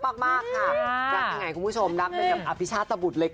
รักกันอย่างไรคุณผู้ชมรักกันแบบอภิชาตบุดเลยค่ะ